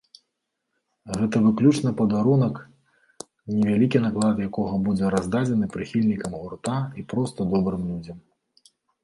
Гэта выключна падарунак, невялікі наклад якога будзе раздадзены прыхільнікам гурта і проста добрым людзям.